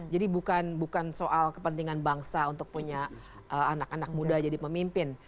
jadi bukan soal kepentingan bangsa untuk punya anak anak muda jadi pemimpin